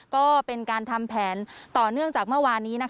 ก็เป็นการทำแผนต่อเนื่องจากเมื่อวานนี้